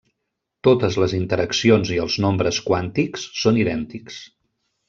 Totes les interaccions i els nombres quàntics són idèntics.